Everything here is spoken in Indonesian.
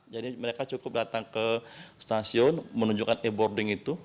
jadi mereka cukup datang ke stasiun menunjukkan e boarding itu